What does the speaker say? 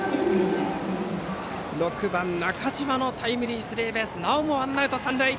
６番の中島のタイムリースリーベースでなおもワンアウト、三塁。